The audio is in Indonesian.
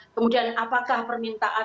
kemudian apakah permintaan